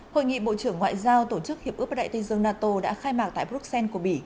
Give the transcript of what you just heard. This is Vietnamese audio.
hội nghị bộ trưởng ngoại giao tổ chức hiệp ước đại tây dương nato đã khai mạc tại bruxelles của bỉ